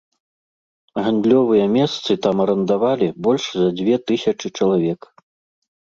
Гандлёвыя месцы там арандавалі больш за дзве тысячы чалавек.